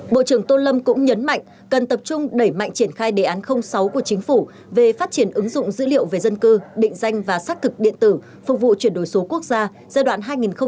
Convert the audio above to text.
bộ trưởng tô lâm cũng nhấn mạnh cần tập trung đẩy mạnh triển khai đề án sáu của chính phủ về phát triển ứng dụng dữ liệu về dân cư định danh và xác thực điện tử phục vụ chuyển đổi số quốc gia giai đoạn hai nghìn một mươi chín hai nghìn ba mươi